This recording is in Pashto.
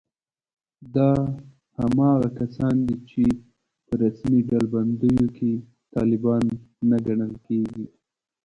دا هماغه کسان دي چې په رسمي ډلبندیو کې طالبان نه ګڼل کېږي